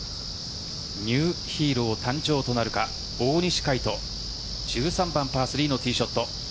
ニューヒーロー誕生となるか大西魁斗１３番、パー３のティーショット。